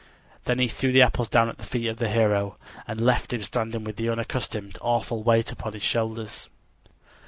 Then he threw the apples down at the feet of the hero, and left him standing with the unaccustomed, awful weight upon his shoulders.